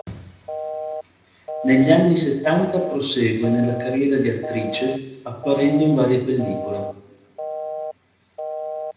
Negli anni settanta prosegue nella carriera di attrice apparendo in varie pellicole.